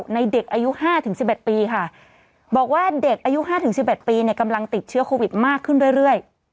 ในเด็กอายุ๕๑๑ปีค่ะบอกว่าเด็กอายุ๕๑๑ปีกำลังติดเชื้อโควิดมากขึ้นเรื่อย